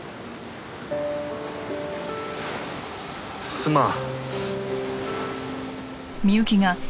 すまん。